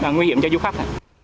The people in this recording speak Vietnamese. nguy hiểm cho du khách